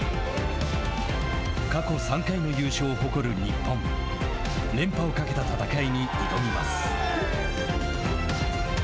過去３回の優勝を誇る日本連覇をかけた戦いに挑みます。